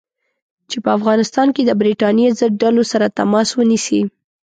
چې په افغانستان کې د برټانیې ضد ډلو سره تماس ونیسي.